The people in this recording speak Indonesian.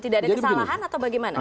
tidak ada kesalahan atau bagaimana